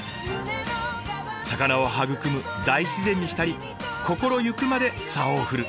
魚を育む大自然に浸り心ゆくまでサオを振る。